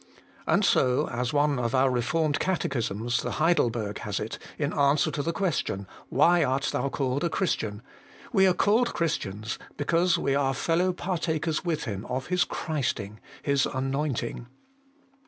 And so (as one of our Eeformed Catechisms, the Heidelberg, has it, in answer to the question, Why art thou called a Christian?) we are called Christians, because we are fellow partakers with Him of His christing, His anointing.